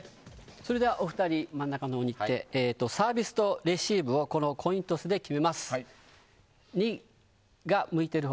それではお二人、真ん中のほうに来てサービスとレシーブをコイントスで決めます。